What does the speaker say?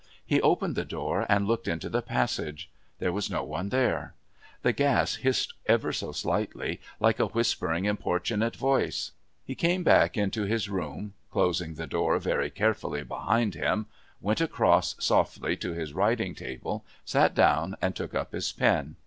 He opened the door and looked into the passage. There was no one there. The gas hissed ever so slightly, like a whispering importunate voice. He came back into his room, closing the door very carefully behind him, went across softly to his writing table, sat down, and took up his pen.